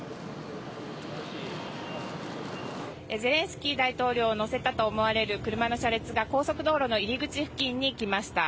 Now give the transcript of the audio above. ゼレンスキー大統領を乗せたと思われる車の車列が高速道路の入り口付近に来ました。